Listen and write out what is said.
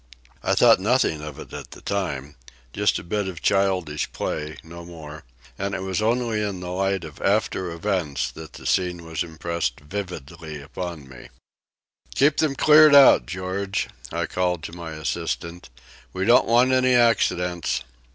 I thought nothing of it at the time just a bit of childish play, no more; and it was only in the light of after events that the scene was impressed vividly upon me. "Keep them cleared out, George!" I called to my assistant. "We don't want any accidents."